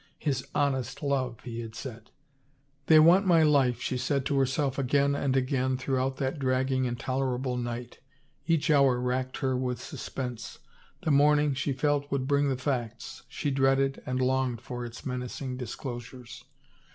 His honest love, he had said 1 '* They want my life," she said to herself again and again, throughout that dragging, intolerable night. Each hour racked her with suspense. The morning, she felt, would bring the facts; she dreaded and longed for its menacing disclosures.